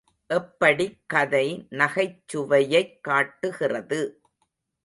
எப்படிக் கதை நகைச்சுவையைக் காட்டுகிறது.